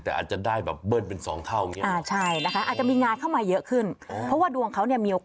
๑แต่อาจจะได้แบบเบิ้ลเป็นสองเท้าใช่นะคะจะมีงานเข้ามาเยอะขึ้นเพราะว่าดู๊งเขาเนี่ยมี